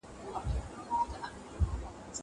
زه سندري نه اورم.